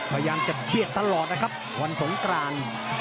พยายามจะเครียดตลอดนะครับวันสงกราน